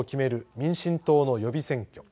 民進党の予備選挙。